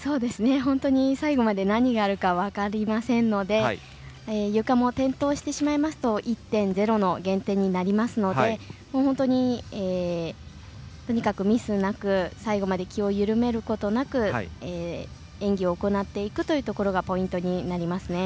本当に最後まで何があるか分かりませんのでゆかも転倒してしまいますと１．０の減点になりますので本当にとにかくミスなく最後まで気を緩めることなく演技を行っていくということがポイントになりますね。